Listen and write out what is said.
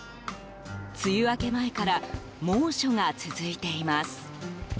梅雨明け前から猛暑が続いてます。